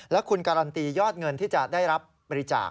แล้วคุณการันตียอดเงินที่จะได้รับบริจาค